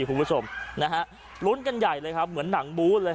คุณผู้ชมนะฮะลุ้นกันใหญ่เลยครับเหมือนหนังบูธเลย